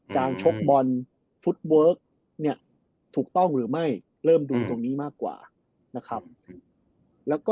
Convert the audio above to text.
ชกบอลฟุตเวิร์คเนี่ยถูกต้องหรือไม่เริ่มดูตรงนี้มากกว่านะครับ